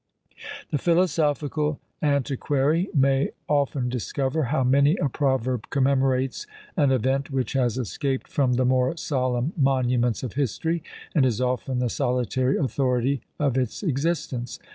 The philosophical antiquary may often discover how many a proverb commemorates an event which has escaped from the more solemn monuments of history, and is often the solitary authority of its existence.